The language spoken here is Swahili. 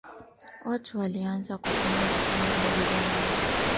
watu walianza kutumia vipande vidogo vya mawe